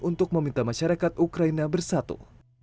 untuk meminta masyarakat ukraina bersatu